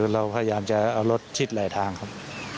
เราพยายามจะเอารถชิดหลายทางครับ